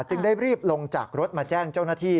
จึงได้รีบลงจากรถมาแจ้งเจ้าหน้าที่